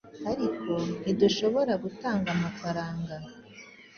ariko ntidushobora gutanga amafaranga